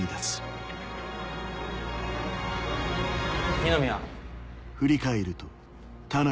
二宮。